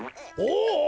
お！